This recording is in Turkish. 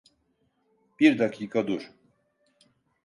Bir dakika dur.